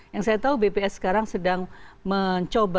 yang saya tahu bps sekarang sedang mencoba